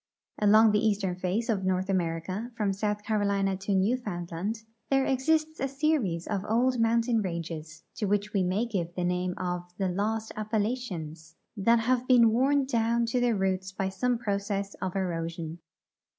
Along the eastern face of North America, from South Carolina to Newfoundland, there exists a series of old mountain ranges, to which we may give the name of the Lost Appalachians, that have been worn down to their roots by some j^rocess of erosion.